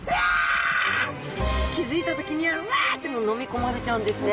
気付いた時にはわ！って飲み込まれちゃうんですね。